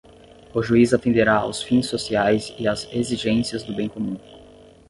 o juiz atenderá aos fins sociais e às exigências do bem comum